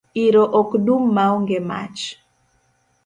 Iro ok dum maonge mach